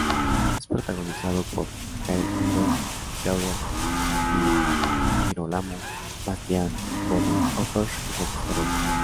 Es protagonizada por Jael Unger, Claudia Di Girolamo, Bastián Bodenhöfer y Francisco Reyes.